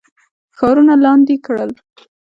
ښارونه لاندي کړل.